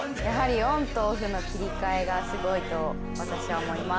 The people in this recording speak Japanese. オンとオフの切り替えがすごいと私は思います。